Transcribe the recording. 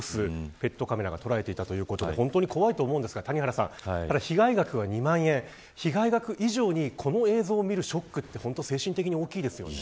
ペットカメラが捉えていたということで本当に怖いと思うんですが谷原さん被害額は２万円被害額以上にこの映像見るショックって精神的に大きいですよね。